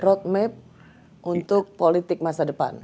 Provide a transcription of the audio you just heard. road map untuk politik masa depan